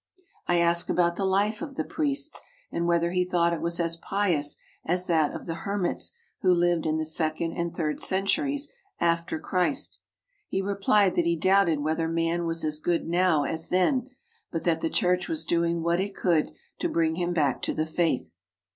I asked about the life of the priests and whether he thought it was as pious as that of the hermits who lived in the second and third centuries after Christ. He replied that he doubted whether man was as good now as then, but that the Church was doing what it could to bring him back to the faith.